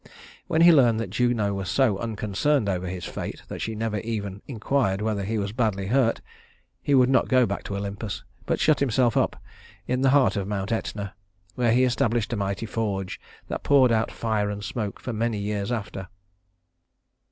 When he learned that Juno was so unconcerned over his fate that she had never even inquired whether he was badly hurt, he would not go back to Olympus, but shut himself up in the heart of Mount Etna, where he established a mighty forge that poured out fire and smoke for many years after.